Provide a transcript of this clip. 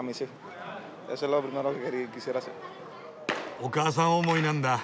お母さん思いなんだ！